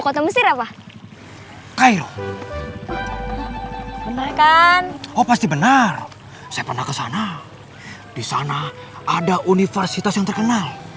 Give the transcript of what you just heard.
kota mesir apa cairo bener kan oh pasti benar saya pernah kesana di sana ada universitas yang terkenal